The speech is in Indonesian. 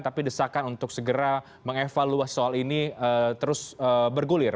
tapi desakan untuk segera mengevaluasi soal ini terus bergulir